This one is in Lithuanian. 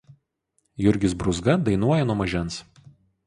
Jurgis Brūzga dainuoja nuo mažens.